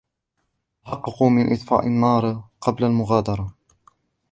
تحققوا من إطفاء النار قبل المغادرة.